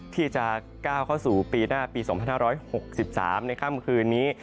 ที่จะก้าวเข้าสู่ปีหน้าปี๒๕๖๓ในค่ำคืนนี้